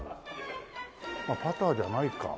あっパターじゃないか。